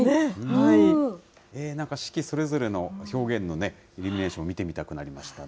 なんか四季それぞれの表現のイルミネーション、見てみたくなりましたね。